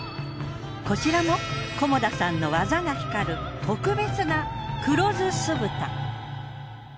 こちらも菰田さんの技が光る特別な黒醋酢豚。